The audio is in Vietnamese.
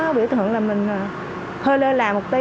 bây giờ có biểu tượng mình hơi lains là một tí